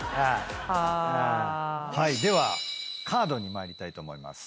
ではカードに参りたいと思います